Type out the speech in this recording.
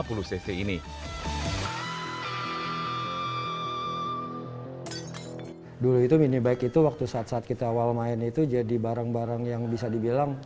dulu itu minibike itu waktu saat saat kita awal main itu jadi barang barang yang bisa dibilang